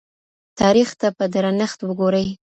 تاریخ ته په درنښت وګورئ.